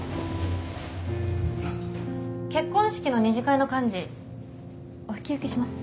結婚式の二次会の幹事お引き受けします。